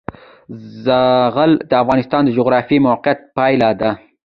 زغال د افغانستان د جغرافیایي موقیعت پایله ده.